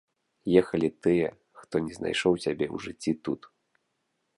Ехалі тыя, хто не знайшоў сябе ў жыцці тут.